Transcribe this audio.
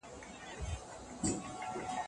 تحمیل سوی نوم دی. آیا دا نوم په اوسني وضعیت